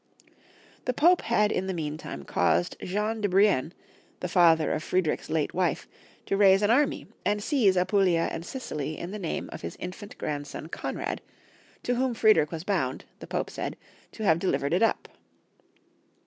The Pope had in the meantime caused Jean de Brienne, the father of Friedrich's late wife, to raise 170 Young Folks^ Sistory of Germany. an army, and seize Apulia and Sicily in the name of Ms infant grandson Konrad, to whom Friedrich was bound, the Pope said, to have delivered it up.